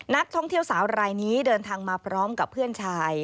นักท่องเที่ยวสาวรายนี้เดินทางมาพร้อมกับเพื่อนชาย